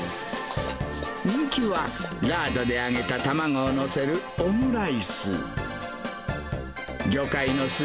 人気はラードで揚げた卵を載せるオムライス。